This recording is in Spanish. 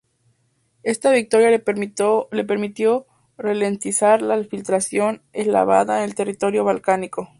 Esta victoria le permitió ralentizar la infiltración eslava en el territorio balcánico.